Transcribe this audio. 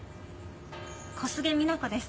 小菅みな子です。